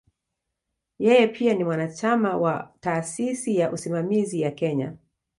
Yeye pia ni mwanachama wa "Taasisi ya Usimamizi ya Kenya".